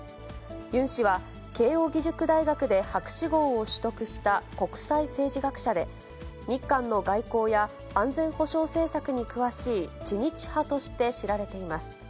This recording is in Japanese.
ユン氏は、慶応義塾大学で博士号を取得した国際政治学者で、日韓の外交や安全保障政策に詳しい、知日派として知られています。